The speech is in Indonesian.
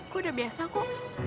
gue udah biasa kok